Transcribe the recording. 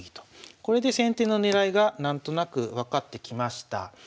これで先手の狙いが何となく分かってきました。